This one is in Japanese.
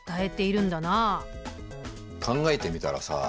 考えてみたらさ